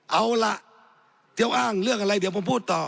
เอาล่ะจะอ้างเรื่องอะไรเดี๋ยวผมพูดต่อ